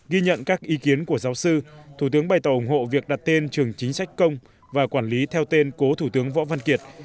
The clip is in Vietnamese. ghi nhận các ý kiến của giáo sư thủ tướng bày tỏ ủng hộ việc đặt tên trường chính sách công và quản lý theo tên cố thủ tướng võ văn kiệt